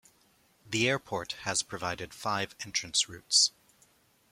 The airport has provided five entrance routes.